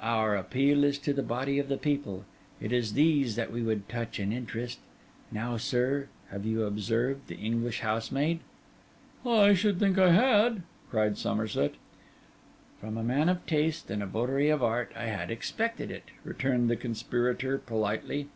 Our appeal is to the body of the people; it is these that we would touch and interest. Now, sir, have you observed the English housemaid?' 'I should think I had,' cried Somerset. 'From a man of taste and a votary of art, I had expected it,' returned the conspirator politely.